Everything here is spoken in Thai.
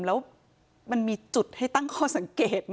แล้วมันมีจุดให้ตั้งข้อสังเกต